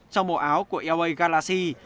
trong màu áo của la galaxy